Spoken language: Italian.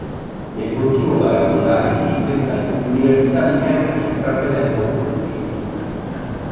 Nel continuo vagabondare di Wittgenstein, l'università di Cambridge rappresenta un punto fisso.